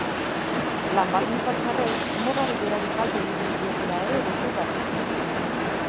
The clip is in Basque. Lan baldintza txarrek modari berari kalte egiten diotela ere defendatu du.